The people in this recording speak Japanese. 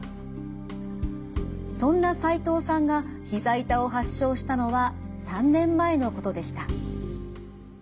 そんな齋藤さんがひざ痛を発症したのは３年前のことでした。